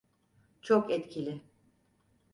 Çok etkili.